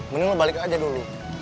mending lo balik aja dulu